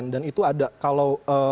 dan itu ada